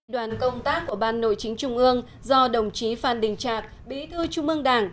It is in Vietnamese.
đoàn công tác của ban nội chính trung ương do đồng chí phan đình trạc bí thư trung ương đảng